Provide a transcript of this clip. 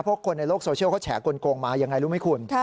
เพราะคนในโลกโซเชียลเขาแฉกลงมายังไงรู้ไหมคุณ